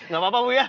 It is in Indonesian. gak apa apa bu ya